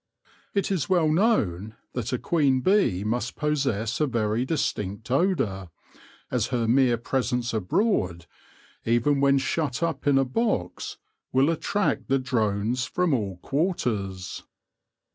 It is well known that a queen bee must possess a very distinct odour, as her mere presence abroad, even when shut up in a box, will attract the drones from all quarters.